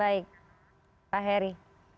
baik pak heri